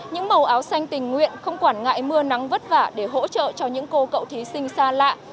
những màu áo xanh tình nguyện không quản ngại mưa nắng vất vả để hỗ trợ cho những cô cậu thí sinh xa lạ